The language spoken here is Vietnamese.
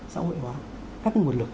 xã hội hóa phát huy nguồn lực